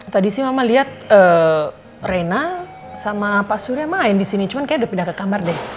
tadi si mama liat rena sama pak surya main disini cuman kaya udah pindah ke kamar deh